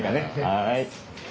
はい。